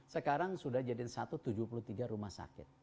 sekarang sudah jadi satu ratus tujuh puluh tiga rumah sakit